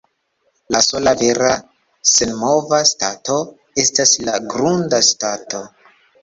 La sola vera senmova stato estas la grunda stato.